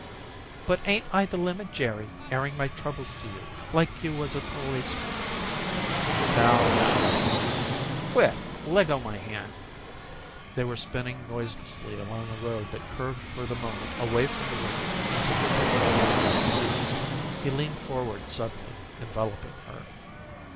"But ain't I the limit, Jerry, airing my troubles to you, like you was a policeman." "Now, now " "Quit! Leggo my hand." They were spinning noiselessly along a road that curved for the moment away from the river into the velvet shadows of trees. He leaned forward suddenly, enveloping her.